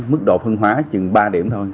mức độ phân hóa chừng ba điểm thôi